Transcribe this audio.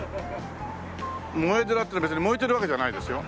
「もえ寺」ってのは別に燃えてるわけじゃないですよ。